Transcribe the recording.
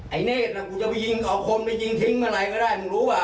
ไอเนสนะอยากยิงเอาคนไปยิงทิ้งอะไรก็ได้